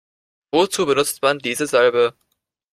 Wozu benutzt man diese Salbe?